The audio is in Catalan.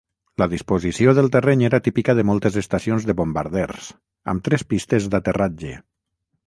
La disposició del terreny era típica de moltes estacions de bombarders, amb tres pistes d'aterratge.